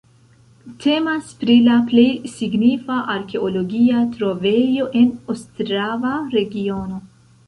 Temas pri la plej signifa arkeologia trovejo en Ostrava-regiono.